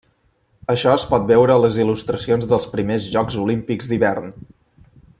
Això es pot veure a les il·lustracions dels primers jocs olímpics d'hivern.